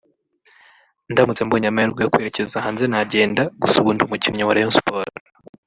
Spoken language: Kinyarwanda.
ndamutse mbonye amahirwe yo kwerekeza hanze nagenda gusa ubu ndi umukinnyi wa Rayon Sports